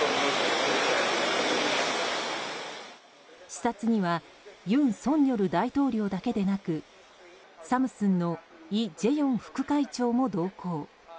視察には尹錫悦大統領だけでなくサムスンのイ・ジェヨン副会長も同行。